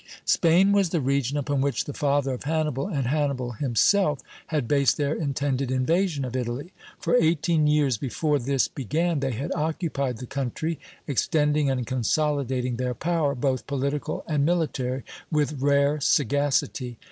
Spain was the region upon which the father of Hannibal and Hannibal himself had based their intended invasion of Italy. For eighteen years before this began they had occupied the country, extending and consolidating their power, both political and military, with rare sagacity.